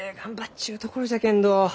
ちゅうところじゃけんど。